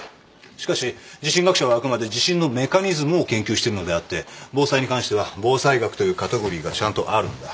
しかし地震学者はあくまで地震のメカニズムを研究してるのであって防災に関しては防災学というカテゴリーがちゃんとあるんだ。